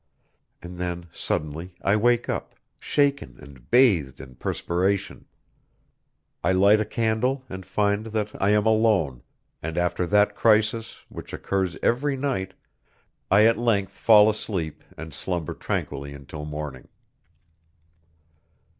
And then, suddenly, I wake up, shaken and bathed in perspiration; I light a candle and find that I am alone, and after that crisis, which occurs every night, I at length fall asleep and slumber tranquilly till morning.